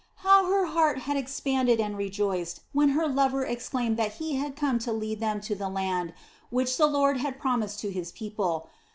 How her heart had expanded and rejoiced when her lover exclaimed that he had come to lead them to the land which the Lord had promised to his people.